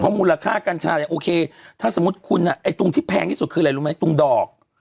มูลค่ากัญชาเนี่ยโอเคถ้าสมมุติคุณไอ้ตรงที่แพงที่สุดคืออะไรรู้ไหมตรงดอก